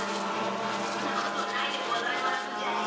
そそんなことないでございますじゃよ。